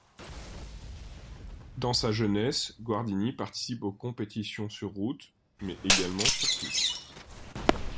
Dans sa jeunesse, Guardini participe aux compétitions sur route mais également sur piste.